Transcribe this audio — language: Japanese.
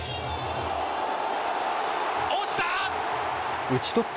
落ちた！